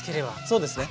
そうですね。